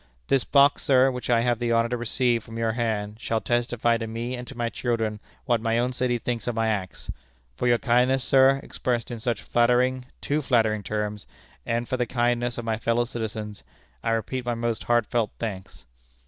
This box, sir, which I have the honor to receive from your hand, shall testify to me and to my children what my own city thinks of my acts. For your kindness, sir, expressed in such flattering, too flattering terms, and for the kindness of my fellow citizens, I repeat my most heartfelt thanks."